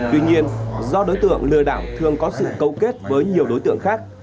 tuy nhiên do đối tượng lừa đảo thường có sự câu kết với nhiều đối tượng khác